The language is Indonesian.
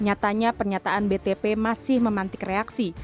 nyatanya pernyataan btp masih memantik reaksi